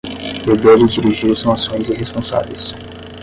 Beber e dirigir são ações irresponsáveis.